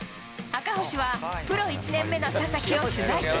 赤星は、プロ１年目の佐々木を取材。